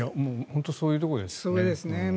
本当にそういうところですよね。